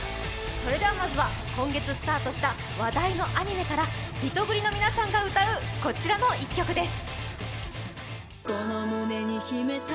それではまずは今月スタートした話題のアニメからリトグリの皆さんが歌うこちらの１曲です。